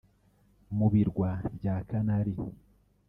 mu birwa bya Canaries